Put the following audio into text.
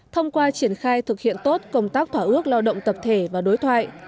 thông qua triển khai thực hiện tốt công tác thỏa ước lao động tập thể và đối thoại